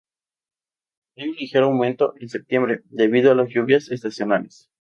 Hay un ligero aumento en septiembre, debido a las lluvias estacionales.